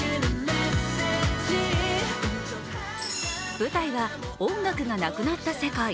舞台は音楽がなくなった世界。